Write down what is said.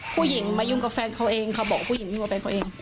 ผู้หญิงมายุ่งกับแฟนเขาเองเขาบอกผู้หญิงยุ่งกับแฟนเขาเอง